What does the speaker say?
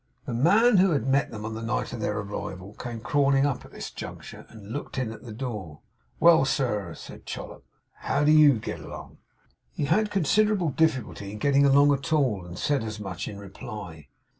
The man who had met them on the night of their arrival came crawling up at this juncture, and looked in at the door. 'Well, sir,' said Chollop. 'How do YOU git along?' He had considerable difficulty in getting along at all, and said as much in reply.